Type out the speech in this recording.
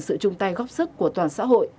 sự chung tay góp sức của toàn xã hội